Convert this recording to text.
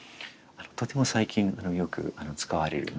とても最近よく使われるものです。